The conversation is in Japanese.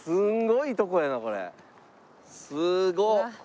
すごっ！